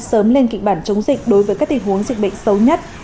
sớm lên kịch bản chống dịch đối với các tình huống dịch bệnh xấu nhất